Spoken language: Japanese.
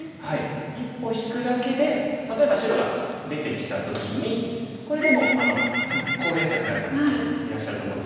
一歩引くだけで例えば白が出てきた時にこれでも多分こうやりたくなる方いらっしゃると思うんです。